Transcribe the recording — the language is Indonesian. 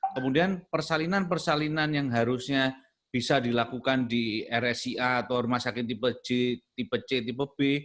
kemudian persalinan persalinan yang harusnya bisa dilakukan di rsia atau rumah sakit tipe j tipe c tipe b